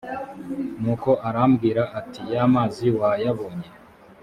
nuko arambwira ati ya mazi wayabonye